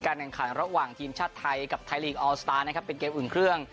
แข่งขันระหว่างทีมชาติไทยกับไทยลีกออลสตาร์นะครับเป็นเกมอื่นเครื่อง